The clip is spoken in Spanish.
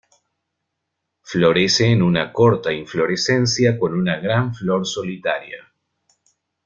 Florece en una corta inflorescencia con una gran flor solitaria.